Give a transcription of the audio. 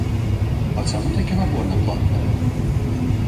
А чаму такі набор на платнае?